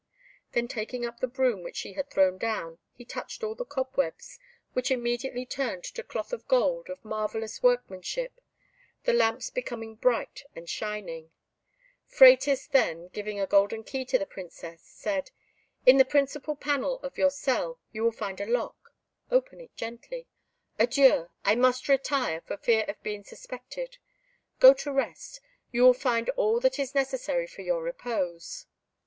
Then, taking up the broom which she had thrown down, he touched all the cobwebs, which immediately turned to cloth of gold of marvellous workmanship, the lamps becoming bright and shining; Phratis then, giving a golden key to the Princess, said, "In the principal panel of your cell you will find a lock; open it gently. Adieu, I must retire for fear of being suspected: go to rest; you will find all that is necessary for your repose."